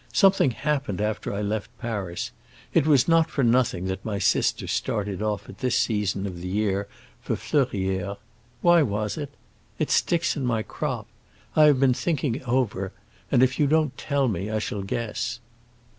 Something happened after I left Paris. It was not for nothing that my sister started off at this season of the year for Fleurières. Why was it? It sticks in my crop. I have been thinking it over, and if you don't tell me I shall guess."